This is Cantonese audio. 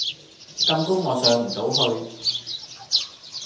咁高我上唔到去